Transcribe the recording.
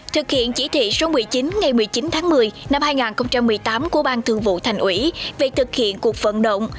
thực hiện chỉ thị số một mươi chín ngày một mươi chín tháng một mươi năm hai nghìn một mươi tám của ban thường vụ thành ủy về thực hiện cuộc vận động